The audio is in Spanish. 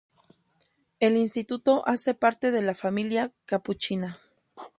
El instituto hace parte de la Familia capuchina.